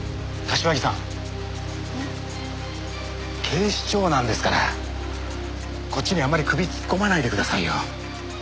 警視庁なんですからこっちにあんまり首突っ込まないでくださいよ。